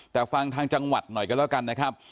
แต่ฟังทางจังหวัดหน่อยกันแล้วกันนะครับ